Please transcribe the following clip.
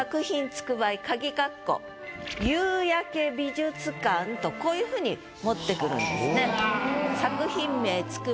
夕焼美術館」とこういう風に持ってくるんですね。